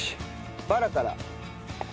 バラから。